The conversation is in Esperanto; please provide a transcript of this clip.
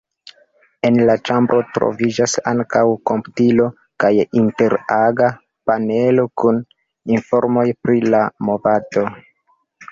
En la ĉambro troviĝas ankaŭ komputilo kaj inter-aga panelo kun informoj pri la movado.